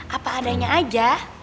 apa adanya aja